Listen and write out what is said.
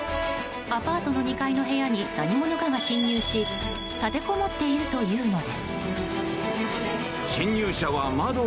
アパートの２階の部屋に何者かが侵入し立てこもっているというのです。